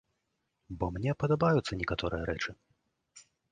Бо мне падабаюцца некаторыя рэчы.